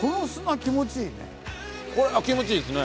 これ気持ちいいですね。